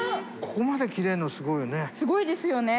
ここまで切れるのすごいよね。